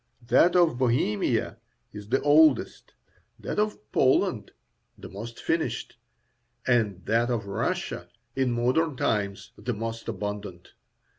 That of Bohemia is the oldest, that of Poland the most finished, and that of Russia in modern times the most abundant.